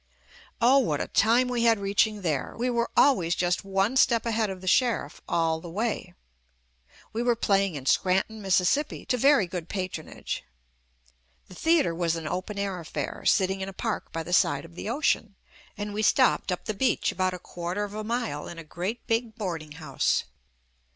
Oh what a time we had reaching there. We were always just one step ahead of the sheriff all the way. We were playing in Scranton, Mississippi, to very good patronage. The theatre was an open air affair, sitting in a park by the side of the ocean, and we stopped up the beach about a quarter of a mile in a great big boarding house.